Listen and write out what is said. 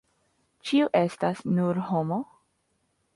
Ĉiu estas nur homo.